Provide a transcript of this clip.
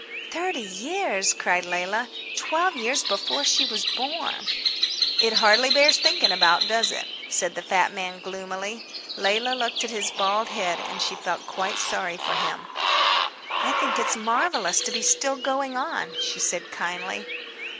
"Thirty years?" cried Leila. Twelve years before she was born! "It hardly bears thinking about, does it?" said the fat man gloomily. Leila looked at his bald head, and she felt quite sorry for him. "I think it's marvellous to be still going on," she said kindly.